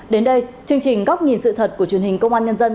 đến đây chương trình góc nhìn sự thật của truyền hình công an nhân dân